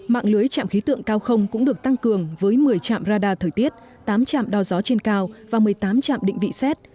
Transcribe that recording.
mạng lưới trạm khí tượng cao không cũng được tăng cường với một mươi trạm radar thời tiết tám trạm đo gió trên cao và một mươi tám trạm định vị xét